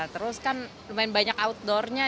terus kan lumayan banyak outdoornya